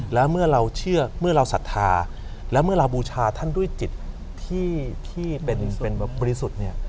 แล้วเมื่อเราเชื่อเมื่อเราศรัทธาแล้วเมื่อเราบูชาท่านด้วยจิตที่เป็นบริสุทธิ์เนี่ย